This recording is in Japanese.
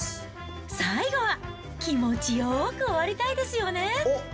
最後は気持ちよく終わりたいですよね。